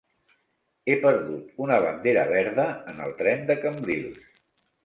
He perdut una bandera verda en el tren de Cambrils.